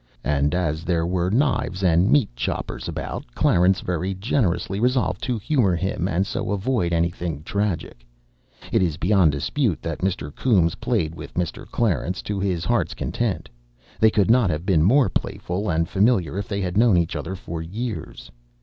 And as there were knives and meat choppers about, Clarence very generously resolved to humour him and so avoid anything tragic. It is beyond dispute that Mr. Coombes played with Mr. Clarence to his heart's content; they could not have been more playful and familiar if they had known each other for years.